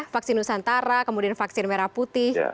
vaksin nusantara kemudian vaksin merah putih